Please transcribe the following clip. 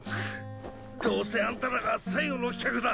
どうせあんたらが最後の客だ。